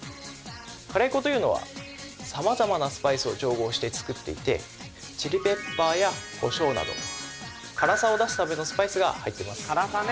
カレー粉というのは様々なスパイスを調合して作っていてチリペッパーやコショウなど辛さを出すためのスパイスが入っています